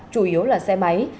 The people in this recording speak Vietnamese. chủ yếu là xe máy